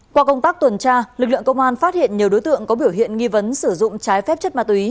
qua công tác tuần tra lực lượng công an phát hiện nhiều đối tượng có biểu hiện nghi vấn sử dụng trái phép chất ma túy